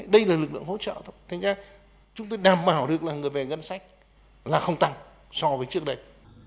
đây là lực lượng hỗ trợ thôi thế nên chúng tôi đảm bảo được là người về ngân sách là không tăng so với trước đây